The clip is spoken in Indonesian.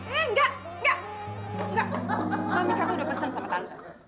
eh enggak enggak enggak mami kamu udah pesen sama tante